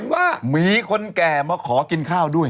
ว่ามีคนแก่มาขอกินข้าวด้วย